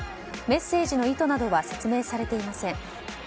メッセージの意図などは説明されていません。